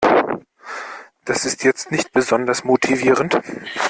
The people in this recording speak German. Das ist jetzt nicht besonders motivierend.